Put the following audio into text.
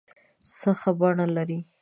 څه ښه بڼه لرې